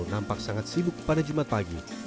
nampak sangat sibuk pada jumat pagi